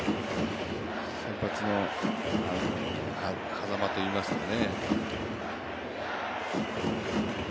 先発のはざまといいますかね。